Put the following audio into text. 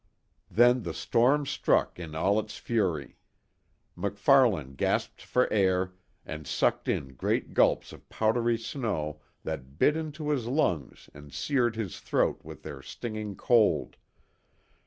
Then the storm struck in all its fury. MacFarlane gasped for air, and sucked in great gulps of powdery snow that bit into his lungs and seared his throat with their stinging cold.